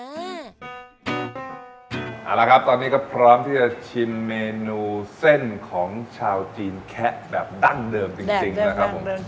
เอาละครับตอนนี้ก็พร้อมที่จะชิมเมนูเส้นของชาวจีนแคะแบบดั้งเดิมจริงนะครับผม